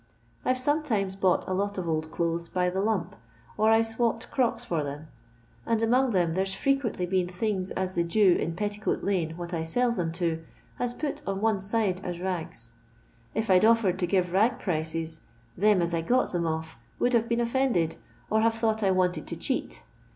I 've sometimes bought a lot of old clothes, by the lump, or I 've swopped crocks for them, and among them there 's frequently been things as the Jew in Fetticoat Une, what I sells them to, has put o' one side as rags. If I 'd offered to give rag prices, them as I got 'em of would have been offended, and have thought I wanted to cheat.